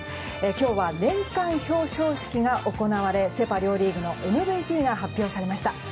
今日は年次表彰式が行われセ・パ両リーグのＭＶＰが発表されました。